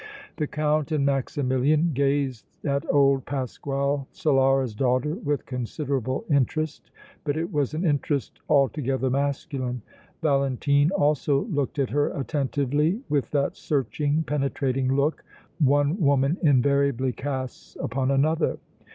The Count and Maximilian gazed at old Pasquale Solara's daughter with considerable interest, but it was an interest altogether masculine. Valentine also looked at her attentively, with that searching, penetrating look one woman invariably casts upon another.